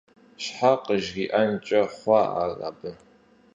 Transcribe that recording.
Щхьэ къыжриӀэнкӀэ хъуа ар абы?